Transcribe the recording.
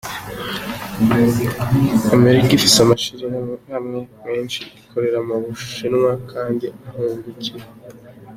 "Amerika ifise amashirahamwe menshi akorera mu Bushinwa kandi ahungukira.